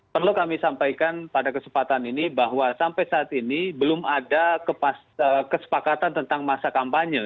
perlu kami sampaikan pada kesempatan ini bahwa sampai saat ini belum ada kesepakatan tentang masa kampanye